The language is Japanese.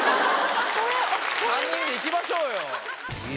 ３人で行きましょうよ。